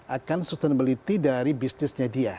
akan sustainability dari bisnisnya dia